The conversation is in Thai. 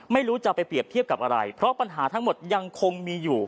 ไม่รู้จะไปเปรียบเทียบกับอะไรเพราะปัญหาทั้งหมดยังคงมีอยู่